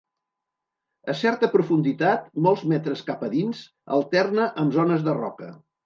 A certa profunditat, molts metres cap a dins, alterna amb zones de roca.